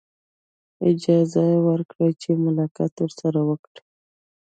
اجازه ورکړي چې ملاقات ورسره وکړي.